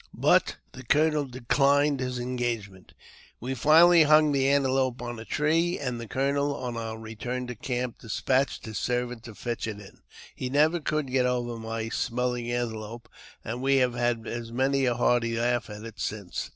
But the colonel declined his engagement. "We finally hung the antelope on a tree, and the colonel, on our return to camp, despatched his servant to fetch it in. He never could get over my smelling antelope, and we have had many a hearty laugh at it since.